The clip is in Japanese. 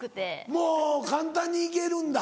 もう簡単に行けるんだ。